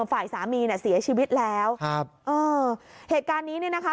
ฝ่ายสามีเนี่ยเสียชีวิตแล้วครับเออเหตุการณ์นี้เนี่ยนะคะ